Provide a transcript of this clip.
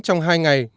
trong hai trận đánh